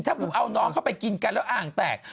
ถ้าบุกเอาน้องเข้าไปกินกันแล้วอ่างแตก